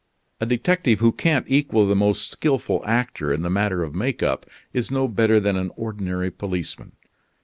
A detective who can't equal the most skilful actor in the matter of make up is no better than an ordinary policeman.